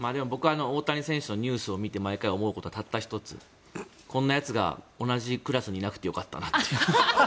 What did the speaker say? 僕が大谷選手のニュースを見て毎回思うことはたった１つこんなやつが同じクラスにいなくてよかったなと。